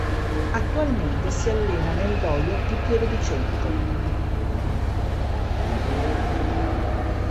Attualmente si allena nel dojo di Pieve di Cento.